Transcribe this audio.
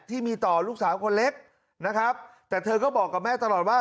ที่มีต่อลูกสาวคนเล็กนะครับแต่เธอก็บอกกับแม่ตลอดว่า